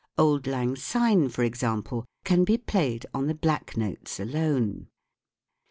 " Auld Lang Syne," for example, can be played on the black notes alone.